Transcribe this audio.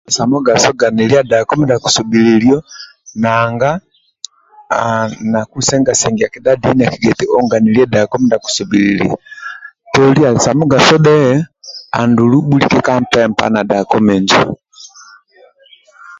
Ali sa mugaso ganyilia dako mindia akusobhililio nanga na Bbaibuli akigia eti onganilie dako mindia akusobhililio toli ali sa mugaso dhe andulu bhulike ka mpempa